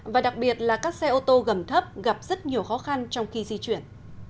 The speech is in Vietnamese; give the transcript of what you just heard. và đặc biệt là các xe ô tô gầm thấp gặp rất nhiều khó khăn trong khi di chuyển